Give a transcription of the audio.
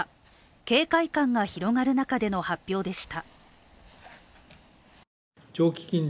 警戒感が広がる中での発表でした。